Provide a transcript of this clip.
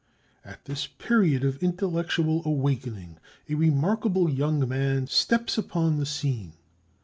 At this period of intellectual awakening, a remarkable young man steps upon the scene.